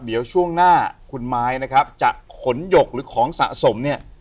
เดี๋ยวช่วงหน้าคุณไม้นะครับจะขนหยกหรือของสะสมเนี่ย